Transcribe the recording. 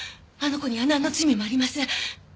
あの子にはなんの罪もありません。